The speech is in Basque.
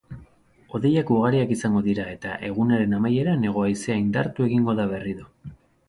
Hodeiak ugariak izango dira eta egunaren amaieran hego-haizea indartu egingo da berriro.